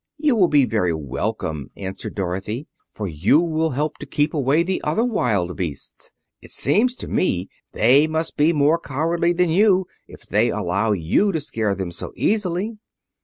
"You will be very welcome," answered Dorothy, "for you will help to keep away the other wild beasts. It seems to me they must be more cowardly than you are if they allow you to scare them so easily."